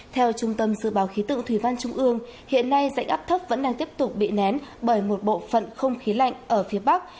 theo trung tâm dự báo khí tượng thủy văn trung ương hiện nay dạnh áp thấp vẫn đang tiếp tục bị nén bởi một bộ phận không khí lạnh ở phía bắc